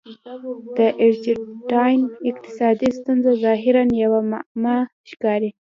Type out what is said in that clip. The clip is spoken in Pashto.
د ارجنټاین اقتصادي ستونزه ظاهراً یوه معما ښکاري.